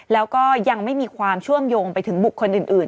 แล้วก็ยังไม่มีความเชื่อมโยงไปถึงบุคคลอื่น